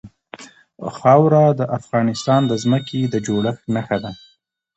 خاوره د افغانستان د ځمکې د جوړښت نښه ده.